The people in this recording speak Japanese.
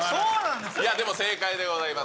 でも正解でございます。